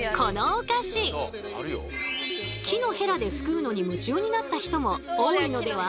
木のヘラですくうのに夢中になった人も多いのでは？